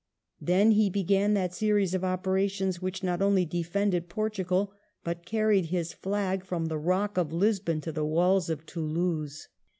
Then he began that series of operations which not only defended Portugal, but carried his flag from the Eock of Lisbon to the walls of Toulouse.